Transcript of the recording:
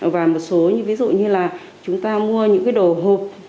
và một số ví dụ như là chúng ta mua những cái đồ hộp